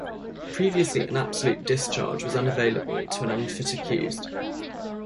Previously an absolute discharge was unavailable to an unfit accused.